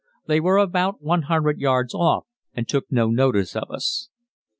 They were about 100 yards off and took no notice of us.